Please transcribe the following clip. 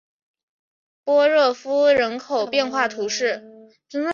波热夫人口变化图示